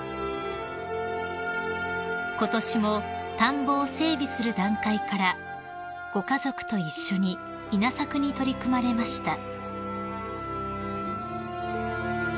［ことしも田んぼを整備する段階からご家族と一緒に稲作に取り組まれました］